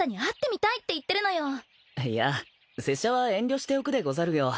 いや拙者は遠慮しておくでござるよ。